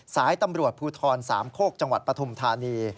สายตำรวจภูทรสามโคกจังหวัดปฐุมธานี